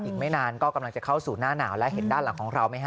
อีกไม่นานก็กำลังจะเข้าสู่หน้าหนาวและเห็นด้านหลังของเราไหมฮะ